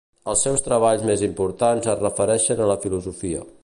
Els seus treballs més importants es refereixen a la filosofia.